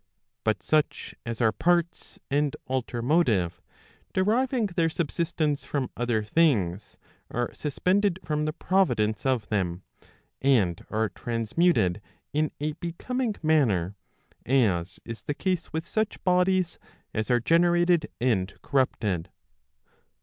But such as are parts, and alter motive, deriving their subsistence from other things, are suspended from the providence of them, and are transmuted in a becoming manner, as is the case with such bodies as are generated and corrupted.